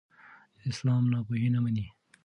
اسلام ناپوهي نه مني.